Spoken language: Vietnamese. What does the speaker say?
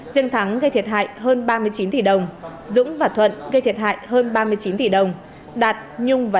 vũ đức thuận gây thiệt hại hơn ba mươi chín tỷ đồng dũng và thuận gây thiệt hại hơn ba mươi chín tỷ đồng đạt nhung và